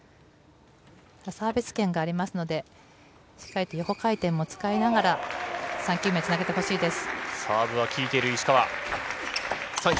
サービス権がありますので、しっかりと横回転も使いながら、３球目につなげてほしいです。